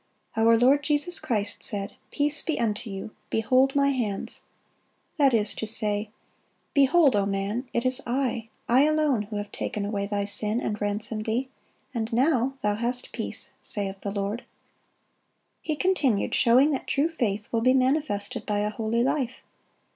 Our Lord Jesus Christ said, 'Peace be unto you; behold My hands;' that is to say, Behold, O man! it is I, I alone, who have taken away thy sin, and ransomed thee; and now thou hast peace, saith the Lord." He continued, showing that true faith will be manifested by a holy life.